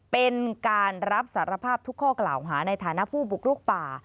เป็นการรับสารภาพทุกข้อกล่าวหาในฐานะผู้บุกลุกป่า